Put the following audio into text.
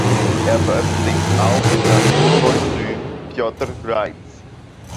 Er veröffentlicht auch unter dem Pseudonym Pjotr Reiz.